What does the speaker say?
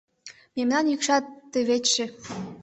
Мемнан йӱкшат тывечше